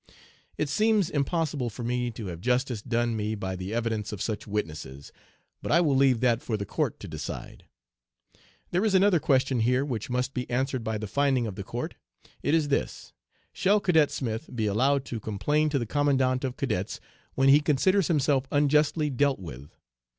It seems impossible for me to have justice done me by the evidence of such witnesses, but I will leave that for the court to decide. There is another question here which must be answered by the finding of the court. It is this: "Shall Cadet Smith be allowed to complain to the Commandant of Cadets when he considers himself unjustly dealt with?"